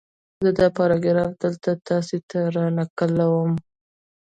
زه دا پاراګراف دلته تاسې ته را نقلوم